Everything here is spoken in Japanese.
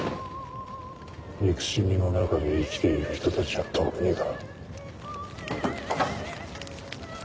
憎しみの中で生きている人たちは特にだ。